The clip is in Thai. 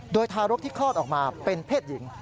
โดยทารกที่คลอดออกมาเป็นเพศหญิง